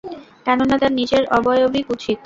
কেননা, তার নিজের অবয়বই কুৎসিত।